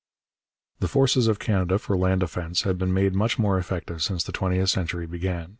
The forces of Canada for land defence had been made much more effective since the twentieth century began.